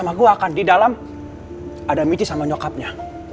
ngomong sama gua kan di dalam ada michi sama nyokapnya